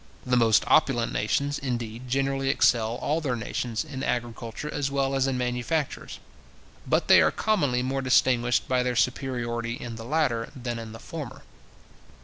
The most opulent nations, indeed, generally excel all their neighbours in agriculture as well as in manufactures; but they are commonly more distinguished by their superiority in the latter than in the former.